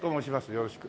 よろしく。